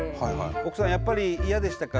奥さんやっぱり嫌でしたか？